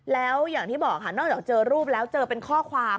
แล้วอย่างที่บอกค่ะนอกจากเจอรูปแล้วเจอเป็นข้อความ